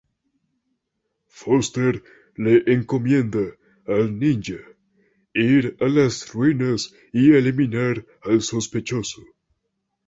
Foster le encomienda al ninja ir a las ruinas y eliminar al sospechoso.